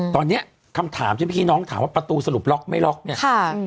ตอนนี้คำถามที่เมื่อกี้น้องถามว่าประตูสรุปล็อกไม่ล็อกเนี่ยค่ะ